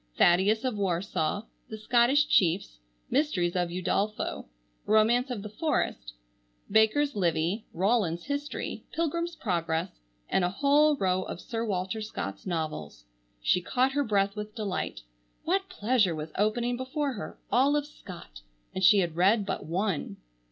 "Thaddeus of Warsaw," "The Scottish Chiefs," "Mysteries of Udolpho," "Romance of the Forest," "Baker's Livy," "Rollin's History," "Pilgrim's Progress," and a whole row of Sir Walter Scott's novels. She caught her breath with delight. What pleasure was opening before her! All of Scott! And she had read but one!